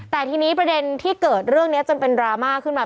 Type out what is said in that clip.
แต่ทีนี้ประเด็นที่เกิดเรื่องนี้จนเป็นดราม่าขึ้นมา